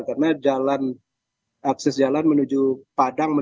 karena jalan akses jalan menuju padang